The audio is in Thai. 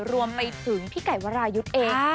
รวมไปถึงพี่ไก่วรายุทธ์เอง